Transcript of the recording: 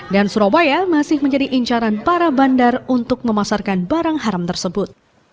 dan surabaya masih menjadi incaran para bandar untuk memasarkan barang haram tersebut